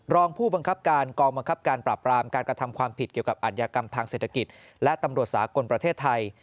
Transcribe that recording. รองผู้บังคับการกองบังคับการปราบรามการกระทำความผิดเกี่ยวกับอัธยากรรมทางเศรษฐกิจและตำรวจสากลประเทศไทย